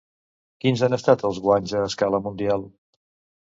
Quins han estat els guanys a escala mundial?